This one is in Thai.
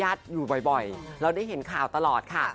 และได้เห็นข่าวตลอดค่ะ